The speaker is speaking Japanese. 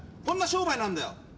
こんな商売なんだよ。